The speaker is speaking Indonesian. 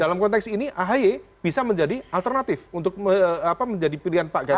dalam konteks ini ahy bisa menjadi alternatif untuk menjadi pilihan pak ganjar